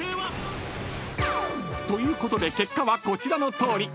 ［ということで結果はこちらのとおり］